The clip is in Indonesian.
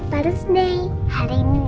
pada sedang hari ini